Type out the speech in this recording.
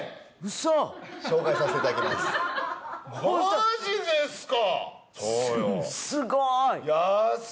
マジですか！？